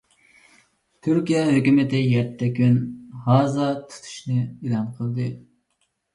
تۈركىيە ھۆكۈمىتى يەتتە كۈن ھازا تۇتۇشنى ئېلان قىلدى.